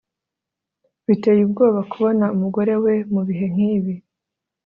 biteye ubwoba kubona umugore we mubihe nkibi